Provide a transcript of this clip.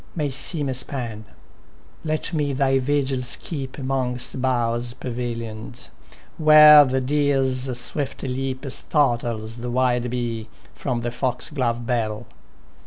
May seem a span; let me thy vigils keep 'Mongst boughs pavilion'd, ^ere the deer's swift leap Startles the wild bee from the fo^loTe bell.